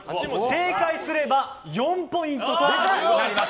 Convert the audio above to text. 正解すれば４ポイントとなります。